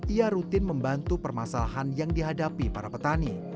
ia rutin membantu permasalahan yang dihadapi para petani